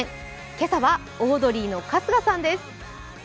今朝は、オードリーの春日さんです